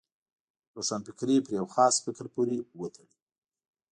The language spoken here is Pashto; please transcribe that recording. روښانفکري پر یو خاص فکر پورې وتړي.